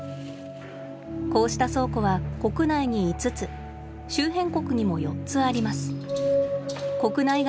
こうした倉庫は国内に５つ周辺国にも４つあります。